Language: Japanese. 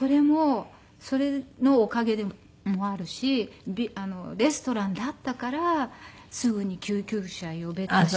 それのおかげでもあるしレストランだったからすぐに救急車呼べたし。